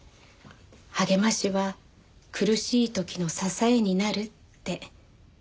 励ましは苦しい時の支えになるって。